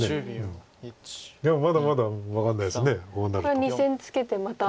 これ２線ツケてまた。